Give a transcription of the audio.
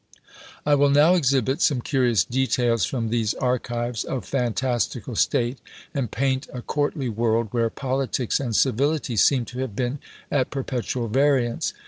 I will now exhibit some curious details from these archives of fantastical state, and paint a courtly world, where politics and civility seem to have been at perpetual variance.